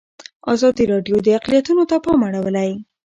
ازادي راډیو د اقلیتونه ته پام اړولی.